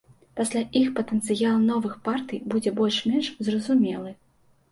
Пасля іх патэнцыял новых партый будзе больш-менш зразумелы.